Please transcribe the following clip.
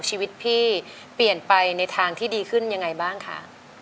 ชีวิตพี่เปลี่ยนไปในทางที่ดีขึ้นยังไงบ้างคะ